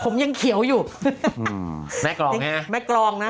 ผมยังเขียวอยู่แม่ก้องแม่ก้อง